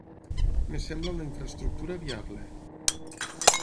Em sembla una infraestructura viable.